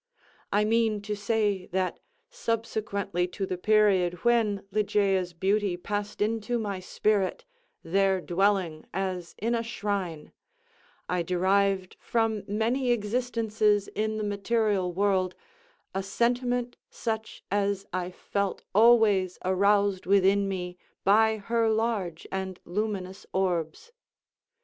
I mean to say that, subsequently to the period when Ligeia's beauty passed into my spirit, there dwelling as in a shrine, I derived, from many existences in the material world, a sentiment such as I felt always aroused within me by her large and luminous orbs.